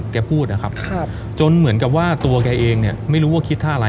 แกพูดนะครับจนเหมือนกับว่าตัวแกเองเนี่ยไม่รู้ว่าคิดท่าอะไร